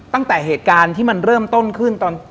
ตั้งแต่เหตุการณ์ที่มันเริ่มต้นขึ้นตอน